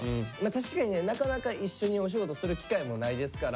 確かにねなかなか一緒にお仕事する機会もないですから。